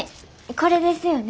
これですよね？